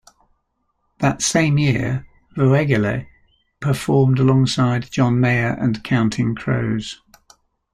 That same year, Voegele performed alongside John Mayer and Counting Crows.